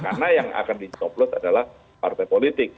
karena yang akan ditoplot adalah partai politik